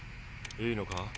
いいのか？